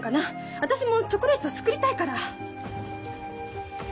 私もチョコレート作りたいから。